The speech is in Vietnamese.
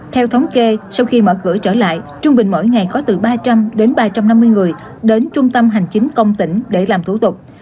theo thống kê sau khi mở cửa trở lại trung bình mỗi ngày có từ ba trăm linh đến ba trăm năm mươi người đến trung tâm hành chính công tỉnh để làm thủ tục